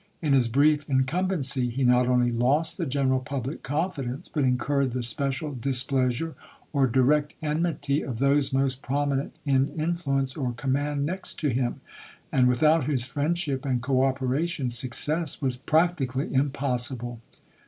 In his brief incumbency he not only lost the general public confidence, but incurred the special displeasure or direct enmity of those most prominent in influence or command next to him, and without whose friendship and cooperation success was practically impossible.